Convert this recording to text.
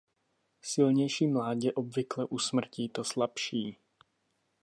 Silnější mládě obvykle usmrtí to slabší.